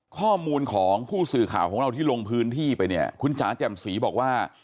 ข้อมูลของผู้สื่อข่าวของเราที่ลงพื้นที่ไปเนี่ยคุณจ๋าแจ่มสีบอกว่า